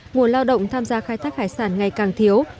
nguồn lao động tham gia khai thác hải sản ngày càng thiếu